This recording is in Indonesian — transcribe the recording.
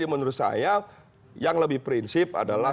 menurut saya yang lebih prinsip adalah